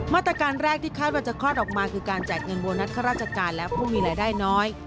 มาตรการแรกที่คาดว่าจะคลอดออกมาคือการแจกเงินโบนัสข้าราชการและผู้มีรายได้น้อย